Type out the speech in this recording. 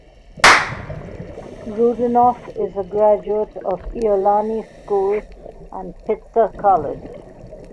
Rudinoff is a graduate of Iolani School and Pitzer College.